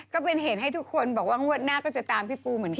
ก็เป็นเหตุให้ทุกคนบอกว่างวดหน้าก็จะตามพี่ปูเหมือนกัน